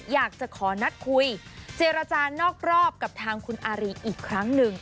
อยากจะขอนัดคุยเจรจานอกรอบกับทางคุณอารีอีกครั้งหนึ่ง